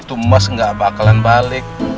itu emas gak bakalan balik